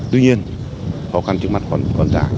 tuy nhiên khó khăn trước mặt còn giảm